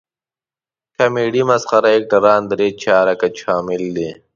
کمیډي مسخره اکټران درې چارکه شامل دي.